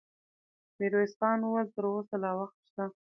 ميرويس خان وويل: تر اوسه لا وخت شته.